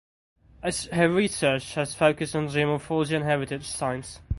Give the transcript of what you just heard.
Her research has focused on geomorphology and heritage science.